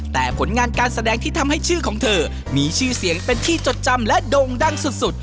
แต่ผลงานการแสดงที่ทำให้ชื่อของเธอมีชื่อเสียงเป็นที่จดจำและโด่งดังสุด